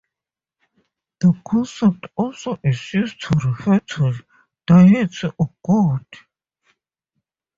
The concept also is used to refer to deity or god.